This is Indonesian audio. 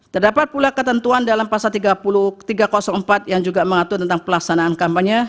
terdapat pula ketentuan dalam pasal tiga ratus empat yang juga mengatur tentang pelaksanaan kampanye